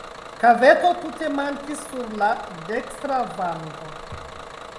Kaveto tute mankis sur la dekstra vango.